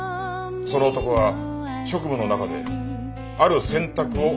その男は職務の中である選択を迫られた。